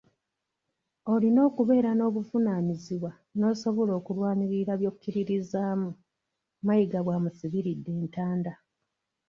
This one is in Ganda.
"Olina okubeera n'obuvunaanyizibwa n'osobola okulwanirira by'okkiririzaamu," Mayiga bw'amusibiridde entanda.